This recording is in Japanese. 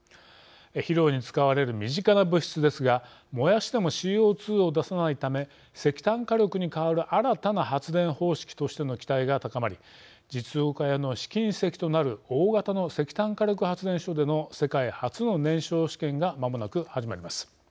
肥料に使われる身近な物質ですが燃やしてもＣＯ２を出さないため石炭火力にかわる新たな発電方式としての期待が高まり実用化への試金石となる大型の石炭火力発電所での世界初の燃焼試験がまもなく始まります。